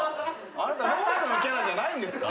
あなたローズのキャラじゃないんですか？